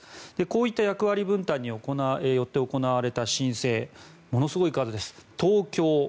こういった役割分担によって行われた申請ものすごい数です。